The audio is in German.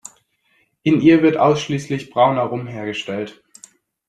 In ihr wird ausschließlich brauner Rum hergestellt.